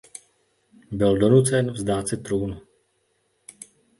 Byl donucen vzdát se trůnu.